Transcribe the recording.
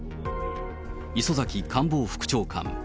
磯崎官房副長官。